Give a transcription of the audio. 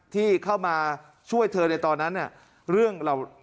ที่เข้ามาช่วยเธอในตอนนั้นนะฮะ